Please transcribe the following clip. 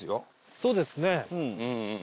そうですね。